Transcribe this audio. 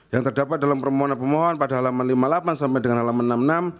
yang terdapat dalam permohonan pemohon pada halaman lima puluh delapan sampai dengan halaman enam puluh enam